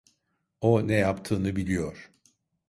O ne yaptığını biliyor.